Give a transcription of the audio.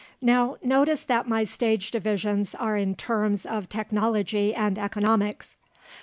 Now notice that my stage divisions are in terms of technology and economics.